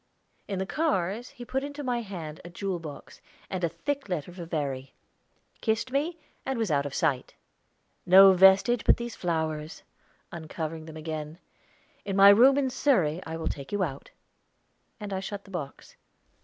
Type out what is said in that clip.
In the cars he put into my hand a jewel box, and a thick letter for Verry, kissed me, and was out of sight. "No vestige but these flowers," uncovering them again. "In my room at Surrey I will take you out," and I shut the box.